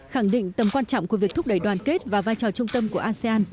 khẳng định tầm quan trọng của việc thúc đẩy đoàn kết và vai trò trung tâm của asean